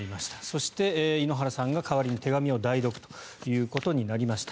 そして、井ノ原さんが代わりに手紙を代読ということになりました。